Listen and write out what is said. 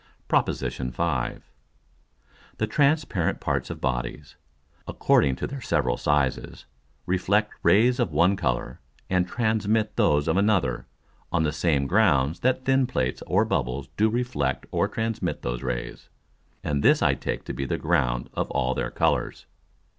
PROP. V. _The transparent parts of Bodies, according to their several sizes, reflect Rays of one Colour, and transmit those of another, on the same grounds that thin Plates or Bubbles do reflect or transmit those Rays. And this I take to be the ground of all their Colours.